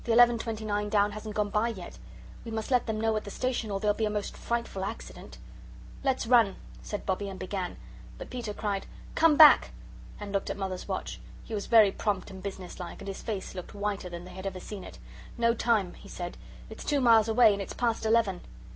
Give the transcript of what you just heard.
29 down hasn't gone by yet. We must let them know at the station, or there'll be a most frightful accident." "Let's run," said Bobbie, and began. But Peter cried, "Come back!" and looked at Mother's watch. He was very prompt and businesslike, and his face looked whiter than they had ever seen it. "No time," he said; "it's two miles away, and it's past eleven."